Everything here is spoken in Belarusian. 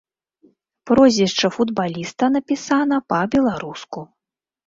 Прозвішча футбаліста напісана па-беларуску.